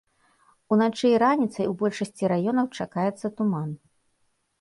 Уначы і раніцай у большасці раёнаў чакаецца туман.